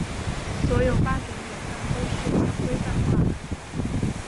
所有八种演算都是强规范化的。